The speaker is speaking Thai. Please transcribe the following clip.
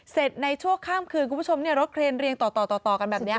ในชั่วข้ามคืนคุณผู้ชมรถเครนเรียงต่อกันแบบนี้